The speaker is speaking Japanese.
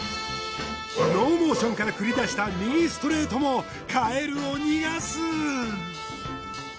ノーモーションから繰り出した右ストレートもカエルを逃がす。